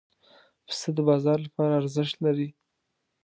پسه د بازار لپاره ارزښت لري.